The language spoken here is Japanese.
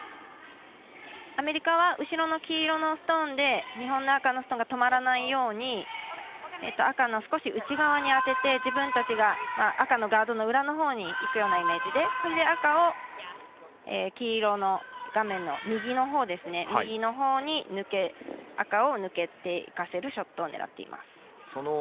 アメリカは後ろの黄色のストーンで日本の赤のストーンが止まらないように赤の少し内側に当てて自分たちが赤のガードの裏のほうに行くようなイメージでそれで赤を黄色の画面の右のほうに赤を抜けていかせるショットを狙っています。